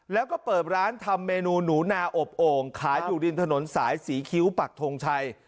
แล้วก็เปิดร้านทำเมนูหนูนาอบโอ่งขายอยู่ริมถนนสายศรีคิ้วปักทงชัย